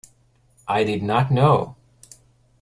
I did not know.